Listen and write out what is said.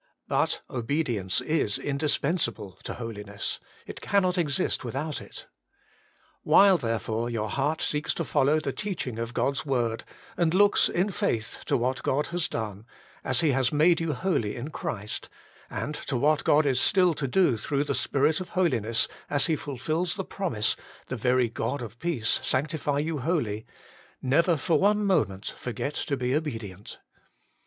But obedience is indispensable to holiness : it cannot exist without it. While, therefore, your heart seeks to follow the teaching of God's word, and looks in faith to what God has done, as He has made you holy in Christ, and to what God is still to do through the Spirit of Holiness as He fulfils the promise, ' The very God of peace sanctify you tvholly,' never for one moment forget to be obedient.